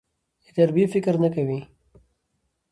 د تربيې فکر نه کوي.